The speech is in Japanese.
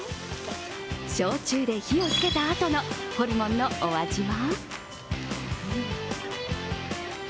焼酎で火をつけたあとのホルモンのお味は？